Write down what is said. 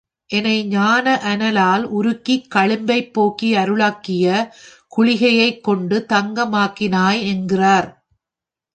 என்னை ஞான அனலால் உருக்கிக் களிம்பைப் போக்கி அருளாகிய குளிகையைக் கொண்டு தங்க மாக்கினாய் என்கிறார்.